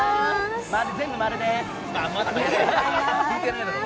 全部〇です！